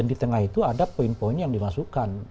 itu ada poin poin yang dimasukkan